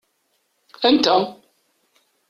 Anta?